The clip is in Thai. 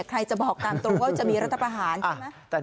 ใครจะบอกตามตรงว่าจะมีรัฐประหารใช่ไหม